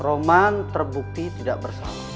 roman terbukti tidak bersalah